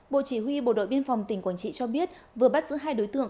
bộ chỉ huy bộ đội biên phòng tỉnh quảng trị cho biết vừa bắt giữ hai đối tượng